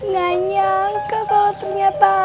gak nyangka soalnya ternyata